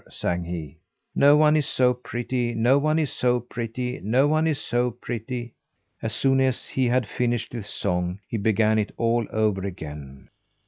sang he. "No one is so pretty. No one is so pretty. No one is so pretty." As soon as he had finished this song, he began it all over again.